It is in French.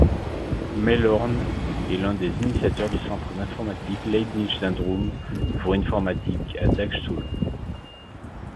Mehlhorn est l'un des initiateurs du centre d'informatique Leibniz-Zentrum für Informatik à Dagstuhl.